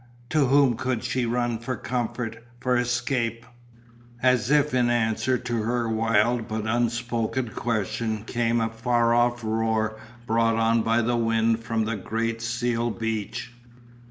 To whom could she run for comfort, for escape ? As if in answer to her wild but unspoken question came a far off roar brought on the wind from the great seal beach.